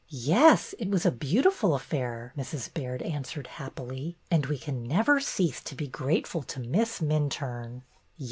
" Yes, it was a beautiful affair," Mrs. Baird answered happily, " and we can never cease to be grateful to Miss Minturne."